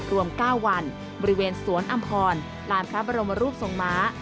รวม๙วันบริเวณสวนอำพรลานพระบรมรูปทรงม้า